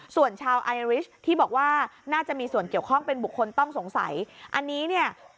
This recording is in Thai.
ส่วนชาวไอริชที่บอกว่าน่าจะมีส่วนเกี่ยวข้องเป็นบุคคลต้องสงสัยอันนี้เนี่ย